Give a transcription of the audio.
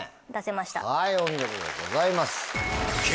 お見事でございます。